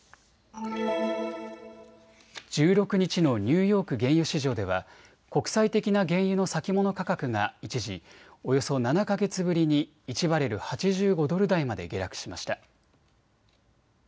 １６日のニューヨーク原油市場では国際的な原油の先物価格が一時、およそ７か月ぶりに１バレル８５ドル台まで下落しました。